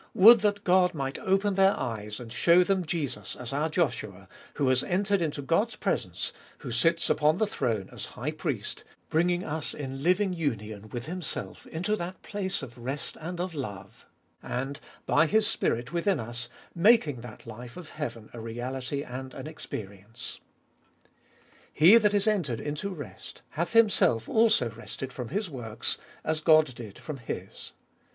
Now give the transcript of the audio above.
Would that God might open their eyes, and show them Jesus as our Joshua, who has entered into God's presence, who sits upon the throne as High Priest, bringing us in living union with Himself into that place of rest and of love, and, by His Spirit within us, making that life of heaven a reality and an experience. He that is entered into rest, hath himself also rested from his works, as God did from His.